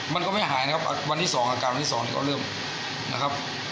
มันก็ไม่หายนะครับอาการวันที่สองก็เริ่มนะครับ